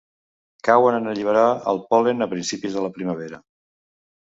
Cauen en alliberar el pol·len a principis de la primavera.